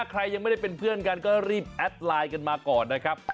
ใครยังไม่ได้เป็นเพื่อนกันก็รีบแอดไลน์กันมาก่อนนะครับ